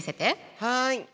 はい。